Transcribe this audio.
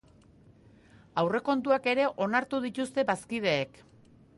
Aurrekontuak ere onartu dituzte bazkideek.